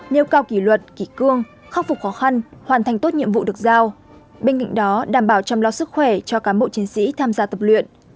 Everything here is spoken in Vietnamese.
nêu cao kỷ luật kỷ cương khắc phục khó khăn hoàn thành tốt nhiệm vụ được giao bên cạnh đó đảm bảo chăm lo sức khỏe cho cán bộ chiến sĩ tham gia tập luyện